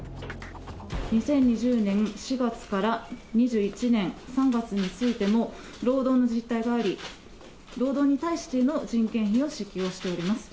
２０２０年４月から２１年３月についても労働の実態があり、労働に対しての人件費を支給をしております。